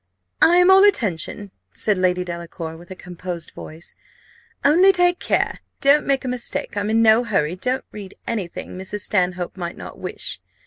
"I am all attention," said Lady Delacour, with a composed voice; "only take care, don't make a mistake: I'm in no hurry; don't read any thing Mrs. Stanhope might not wish.